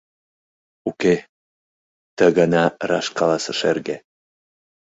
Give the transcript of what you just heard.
— Уке... — ты гана раш каласыш эрге.